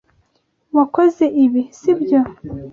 Wakoze ibi, sibyo?